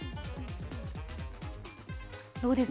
どうです？